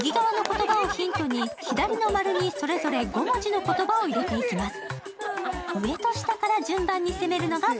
右側の言葉をヒントに左の丸にそれぞれ５文字の言葉を入れていきます。